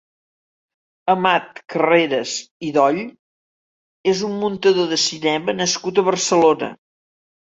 Amat Carreras i Doll és un muntador de cinema nascut a Barcelona.